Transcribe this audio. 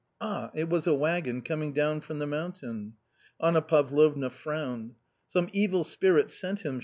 Ah ! it was a waggon coming down from the mountain. Anna Parlovna frowned. " Some evil spirit sent him